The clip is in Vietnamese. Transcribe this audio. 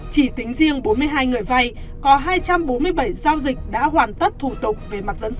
chỉ tính riêng bốn mươi hai người vay có hai trăm bốn mươi bảy giao dịch đã hoàn tất thủ tục về mặt dẫn dụ